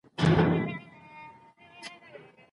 احمد شاه ابدالي د جنګ په ډګر کي کومي جامي اغوستې؟